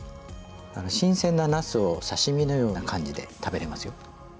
新鮮ななすを刺身のような感じで食べれますよ。